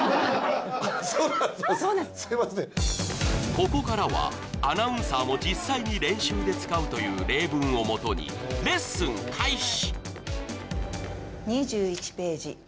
ここからはアナウンサーも実際に使うという例文をもとにレッスン開始。